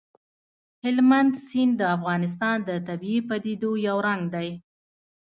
هلمند سیند د افغانستان د طبیعي پدیدو یو رنګ دی.